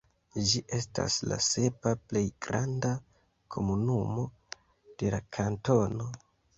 Ĝi estas la sepa plej granda komunumo de la kantono.